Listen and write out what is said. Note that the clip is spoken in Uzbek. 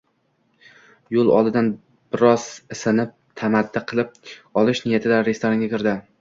Yoʻl oldidan biroz isinib, tamaddi qilib olish niyatida restoranga kirdi